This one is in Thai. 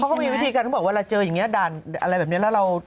เขาก็มีวิธีการเขาบอกเวลาเจออย่างนี้ด่านอะไรแบบนี้แล้วเรา